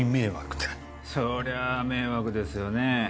そりゃあ迷惑ですよね。